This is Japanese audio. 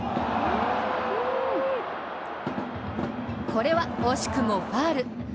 これは惜しくもファウル。